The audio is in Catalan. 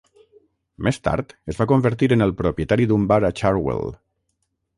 Més tard es va convertir en el propietari d'un bar a Churwell.